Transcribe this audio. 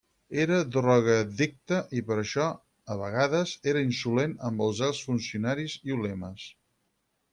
Era drogoaddicte i per això a vegades era insolent amb alts funcionaris i ulemes.